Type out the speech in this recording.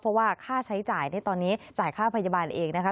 เพราะว่าค่าใช้จ่ายตอนนี้จ่ายค่าพยาบาลเองนะคะ